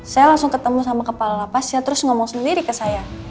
saya langsung ketemu sama kepala lapas ya terus ngomong sendiri ke saya